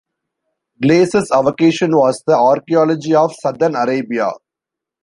Glaser's avocation was the archaeology of southern Arabia.